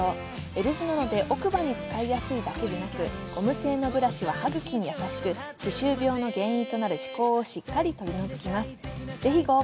Ｌ字なので奥歯に使いやすいだけでなく、ゴム製のブラシは歯茎に優しく、歯周病の原因となる歯こうをしっかり取り除きます。